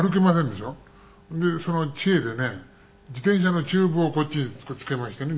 でその知恵でね自転車のチューブをこっちに付けましてね